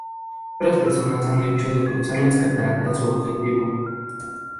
Otras personas han hecho de cruzar las cataratas su objetivo.